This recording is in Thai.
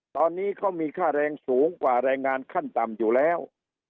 ตอนนี้เขามีค่าแรงสูงกว่าแรงงานขั้นต่ำอยู่แล้ว